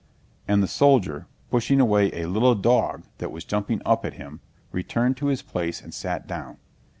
And the soldier, pushing away a little dog that was jumping up at him, returned to his place and sat down.